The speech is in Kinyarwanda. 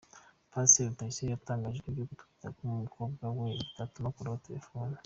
Pasiteri Rutayisire yatangaje ko iby’ugutwita k’umukobwa we bitatuma akuraho telefone